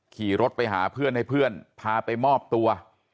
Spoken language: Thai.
ขี่รถไปหาเพื่อนให้เพื่อนพาไปมอบตัว